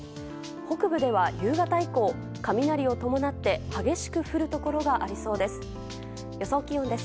北部では夕方以降、雷を伴って激しく降るところがありそうです。